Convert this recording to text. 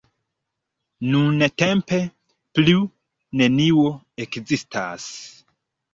Nuntempe plu nenio ekzistas.